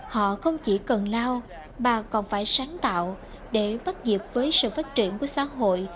họ không chỉ cần lao bà còn phải sáng tạo để bắt dịp với sự phát triển của xã hội